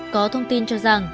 có thông tin cho rằng